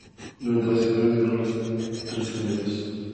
Durante las semifinales, ganó los tres segmentos.